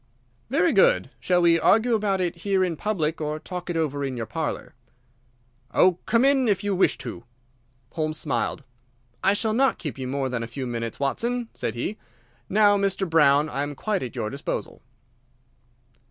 "Very good. Shall we argue about it here in public or talk it over in your parlour?" "Oh, come in if you wish to." Holmes smiled. "I shall not keep you more than a few minutes, Watson," said he. "Now, Mr. Brown, I am quite at your disposal."